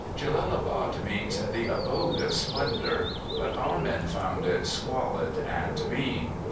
"Jellalabad" means "the abode of splendour," but our men found it squalid and mean.